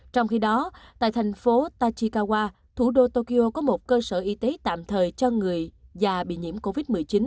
trong khi đó tại thành phố tachikawa thủ đô tokyo có một cơ sở y tế tạm thời cho người già bị nhiễm covid một mươi chín